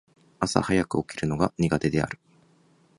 朝早く起きるのが苦手である。